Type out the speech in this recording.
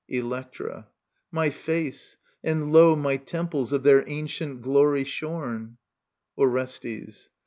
Electra* My &ce ; and, lo^ My temples of their ancient glory shorn. Orestes.